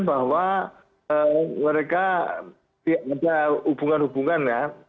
bahwa mereka tidak ada hubungan hubungan ya